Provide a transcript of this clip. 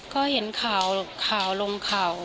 ก็เห็นข่าวลงข่าว